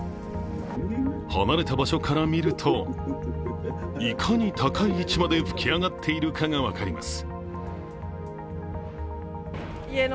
離れた場所から見ると、いかに高い位置まで噴き上がっているかが分かります。